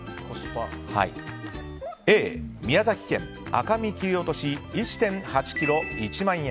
Ａ、宮崎県、赤身切り落とし１．８ｋｇ、１万円。